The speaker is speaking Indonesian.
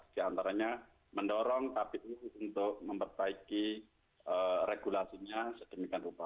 diantaranya mendorong kpu untuk memperbaiki regulasinya sedemikian rupa